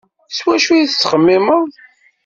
Ar wacu ay tettxemmimeḍ?